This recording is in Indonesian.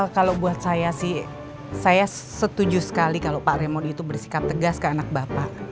kalau buat saya sih saya setuju sekali kalau pak remody itu bersikap tegas ke anak bapak